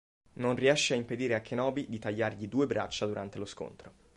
Non riesce a impedire a Kenobi di tagliargli due braccia durante lo scontro.